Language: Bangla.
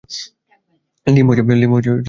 লীম চুপচাপ দাঁড়িয়ে আছে।